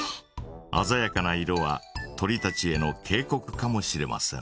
あざやかな色は鳥たちへの警告かもしれません。